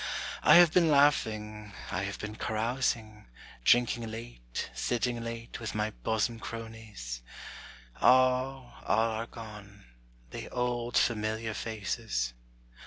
I have been laughing, I have been carousing, Drinking late, sitting late, with my bosom cronies; All, all are gone, the old familiar faces.